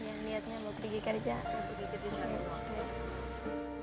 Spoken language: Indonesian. ingin melihatnya mau pergi kerja